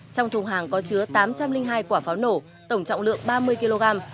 trong thùng hàng có chứa tám trăm linh hai quả pháo nổ tổng trọng lượng ba mươi kg